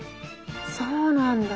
そうなんだ。